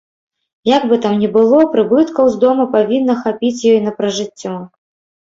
Як бы там ні было, прыбыткаў з дома павінна хапіць ёй на пражыццё.